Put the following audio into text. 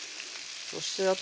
そして